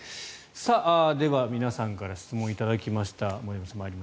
では、皆さんから質問を頂きました。